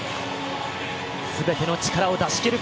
全ての力を出し切る。